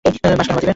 বাঁশি কেন বাজে?